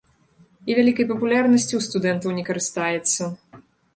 І вялікай папулярнасцю ў студэнтаў не карыстаецца.